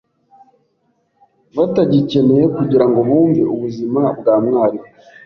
batagikeneye kugira ngo bumve ubuzima bwa mwarimu.